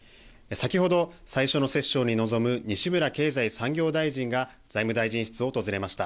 先ほど最初の折衝に臨む西村経済産業大臣が財務大臣室を訪れました。